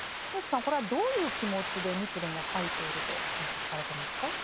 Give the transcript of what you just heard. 植木さんこれはどういう気持ちで日蓮は書いていると解釈されてますか？